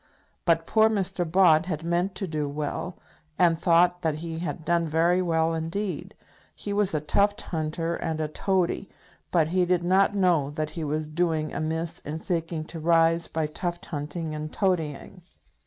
But poor Mr. Bott had meant to do well, and thought that he had done very well indeed. He was a tuft hunter and a toady, but he did not know that he was doing amiss in seeking to rise by tuft hunting and toadying.